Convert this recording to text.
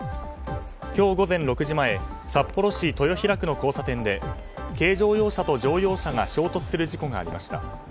今日午前６時前札幌市豊平区の交差点で軽乗用車と乗用車が衝突する事故がありました。